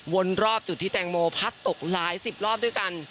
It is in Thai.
วนรอบจุดที่แตงโมพัดตกหลายสิบรอบด้วยกัน